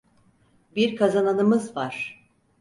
Bir kazananımız var.